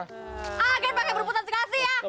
ah kan pakai berputar sikasi ya